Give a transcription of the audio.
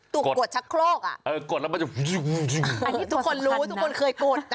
กดชักโครกอ่ะเออกดแล้วมันจะอันนี้ทุกคนรู้ทุกคนเคยกด